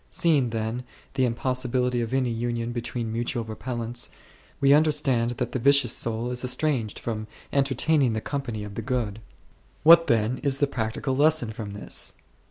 Seeing, then, the impossibility of any union between mutual repellents, we under stand that the vicious soul is estranged from entertaining the company of the Good. What then is the practical lesson from this?